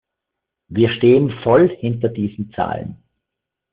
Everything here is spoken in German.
Wir stehen voll hinter diesen Zahlen.